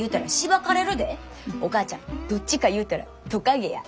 お母ちゃんどっちかいうたらトカゲや。